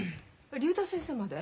竜太先生まで？